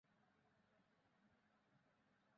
তিনি খুবই অসুস্থ হয়ে পড়েন এবং নার্সিং হোমে ভর্তি হন।